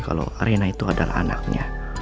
kalau arena itu adalah anaknya